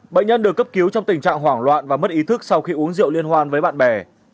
bệnh nhân được cấp cứu trong tình trạng hoảng loạn và mất ý thức sau khi uống rượu liên hoan với bạn bè